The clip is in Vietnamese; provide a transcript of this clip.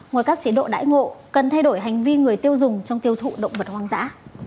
ngoài các chế độ đãi ngộ cần thay đổi hành vi người tiêu dùng trong tiêu thụ động vật hoang dã